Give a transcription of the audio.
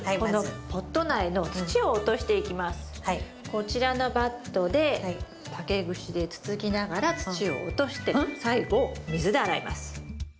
こちらのバットで竹串でつつきながら土を落として最後水で洗います。